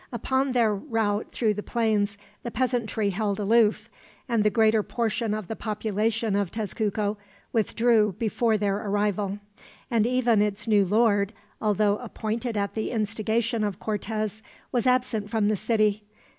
Upon their route through the plains the peasantry held aloof, and the greater portion of the population of Tezcuco withdrew before their arrival; and even its new lord, although appointed at the instigation of Cortez, was absent from the city.